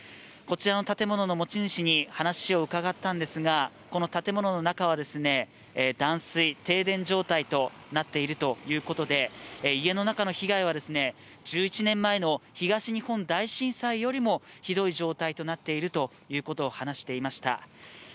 こちらの建物の持ち主に話を伺ったんですが、この建物の中は断水、停電状態となっているということで家の中の被害は１１年前の東日本大震災よりもひどい状態となっているということを話していました。